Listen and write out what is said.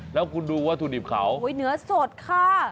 แล้วคุณดูว่าธุริปเขาน้ำเนื้อสดค่ะ